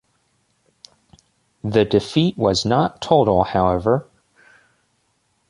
The defeat was not total, however.